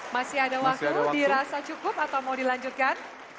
masih ada waktu dirasa cukup atau mau dilanjutkan